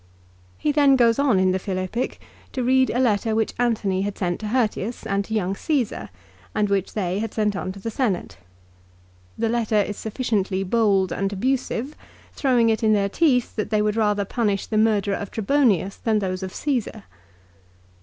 He then goes on in the Philippic, to read a letter which Antony had sent to Hirtius and to young Caesar, and which they, had sent on to the Senate. The letter is sufficiently bold and abusive, throwing it in their teeth that they would rather punish the murderer of Trebonius than those of Caesar.